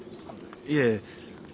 いえ。